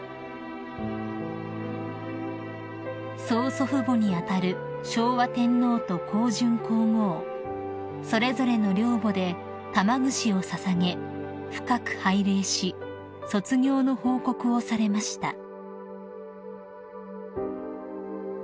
［曽祖父母に当たる昭和天皇と香淳皇后それぞれの陵墓で玉串を捧げ深く拝礼し卒業の報告をされました］